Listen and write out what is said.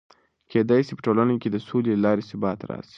کېدای سي په ټولنه کې د سولې له لارې ثبات راسي.